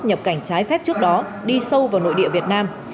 nhập cảnh trái phép trước đó đi sâu vào nội địa việt nam